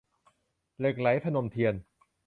เหล็กไหล - พนมเทียน